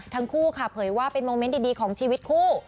ทั้งคู่ค่ะเผยว่าเป็นโมเมนต์ดีของชีวิตคู่